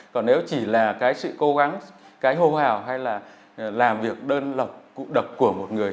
còn nếu chỉ là cái sự cố gắng cái hô hào hay là làm việc đơn lọc cụ độc của một người